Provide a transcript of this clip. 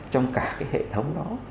trong cả cái hệ thống đó